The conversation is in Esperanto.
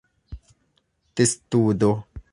testudo